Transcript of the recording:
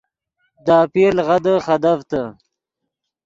دے آپیر لغدے خدیڤتے